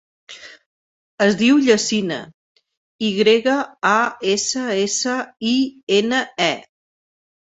Es diu Yassine: i grega, a, essa, essa, i, ena, e.